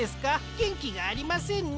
げんきがありませんね。